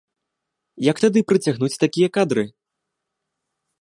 Як тады прыцягнуць такія кадры?